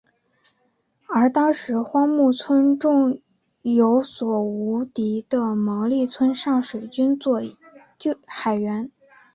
而当时荒木村重有所向无敌的毛利村上水军作海援。